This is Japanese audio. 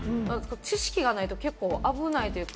知識がないと結構、危ないというか。